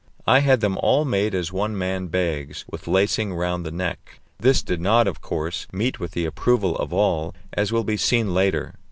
I had them all made as one man bags, with lacing round the neck; this did not, of course, meet with the approval of all, as will be seen later.